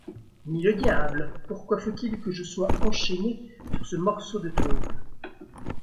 Mille diables ! pourquoi faut-il que je sois enchaîné sur ce morceau de tôle !